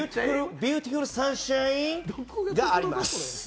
ビューティフルサンシャインがあります。